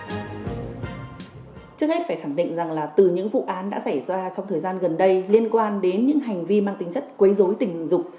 trước hết phải khẳng định rằng là từ những vụ án đã xảy ra trong thời gian gần đây liên quan đến những hành vi mang tính chất quấy dối tình dục